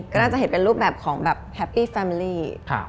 ก็น่าจะเห็นเป็นรูปแบบของแบบแฮปปี้แฟมิลี่